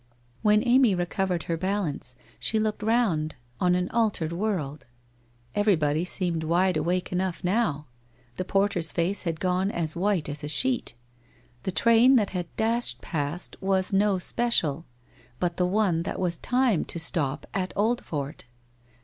When Amy recovered her balance, she looked round on an altered world. Everybody seemed wide awake enough now, the porter's face had gone as white as a sheet. The train that had dashed past was no special, but the one that was timed to stop at Oldfort!